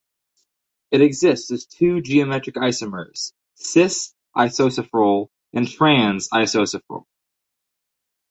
It exists as two geometric isomers, "cis"-isosafrole and "trans"-isosafrole.